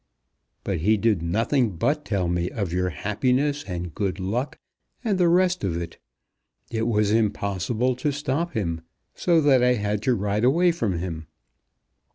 "But he did nothing but tell me of your happiness, and good luck, and the rest of it. It was impossible to stop him, so that I had to ride away from him.